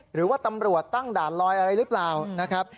หรือว่าตำรวจตั้งด่านลอยอะไรหรือเปล่านะครับ